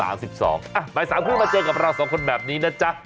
หมาย๓พูดมาเจอกับเรา๒คนแบบนี้นะจ๊ะ